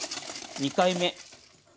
２回目。